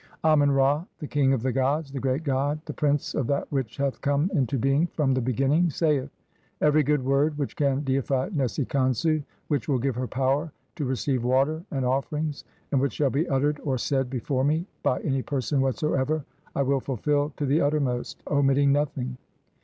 Amen Ra, the king of the gods, the great god, the prince of that which hath come into being from the beginning, saith :— "Every good word which can deify Nesi Khonsu, "which will give her power to receive water and offer ings, and which shall be uttered or said before me by "any person whatsoever I will fulfil to the uttermost, "omitting nothing.